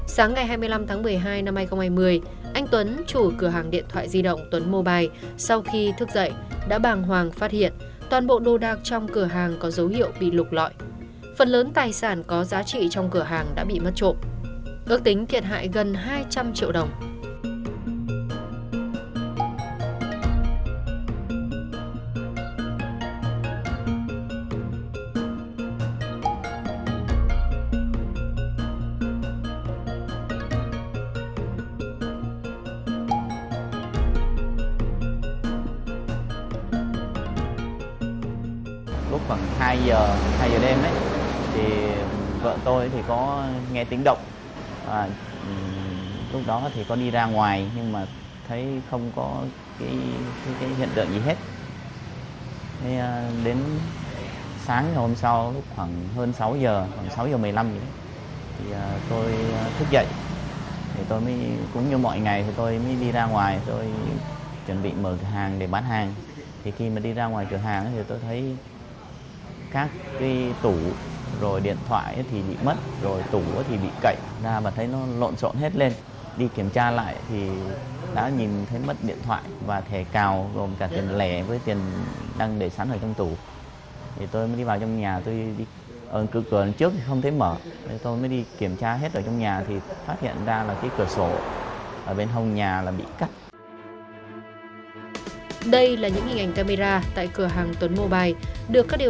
sáng ngày hai mươi năm tháng một mươi hai năm hai nghìn hai mươi anh tuấn chủ cửa hàng điện thoại di động tuấn mobile sau khi thức dậy đã bàng hoàng phát hiện toàn bộ đồ đạc trong cửa hàng có dấu hiệu bị lục lọi